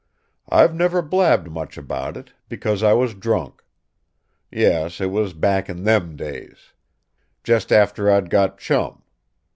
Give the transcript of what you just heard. I've never blabbed much about it, because I was drunk. Yes, it was back in them days. Just after I'd got Chum.